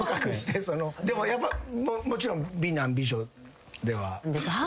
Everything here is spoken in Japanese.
でもやっぱもちろん美男美女。